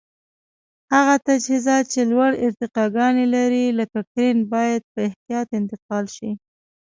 هغه تجهیزات چې لوړې ارتفاګانې لري لکه کرېن باید په احتیاط انتقال شي.